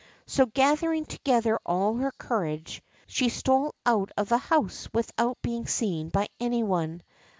So gathering to gether all her courage, she stole out of the house without being seen by any one.